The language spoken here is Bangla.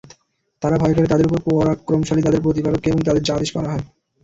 তারা ভয় করে তাদের উপর পরাক্রমশালী তাদের প্রতিপালককে এবং তাদেরকে যা আদেশ করা হয়।